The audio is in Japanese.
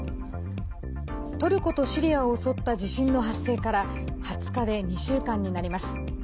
トルコとシリアを襲った地震の発生から２０日で２週間になります。